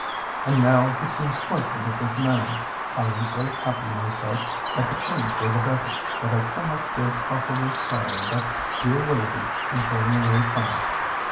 And now he seems quite a different man. I am so happy myself at the change for the better, that I cannot feel properly sorry that dear Willoughby is going away from us."